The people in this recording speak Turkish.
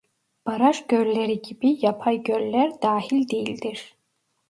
Baraj gölleri gibi yapay göller dahil değildir.